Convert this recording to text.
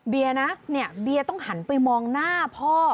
เบียร์นะเนี่ยเบียต้องหันไปมองหน้าพ่อ